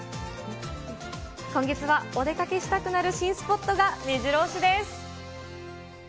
今月はお出かけしたくなる新スポットがめじろ押しです。